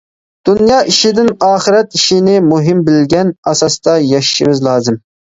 دۇنيا ئىشىدىن ئاخىرەت ئىشىنى مۇھىم بىلگەن ئاساستا ياشىشىمىز لازىم.